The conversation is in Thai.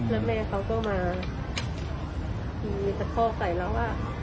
แล้วแม่เขาก็มามีสะโค้กใส่แล้วว่า